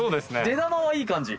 出球はいい感じ？